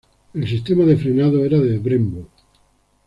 El sistema de frenado era de Brembo.